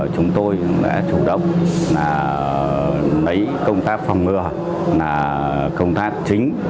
chúng tôi đã chủ động lấy công tác phòng ngừa là công tác chính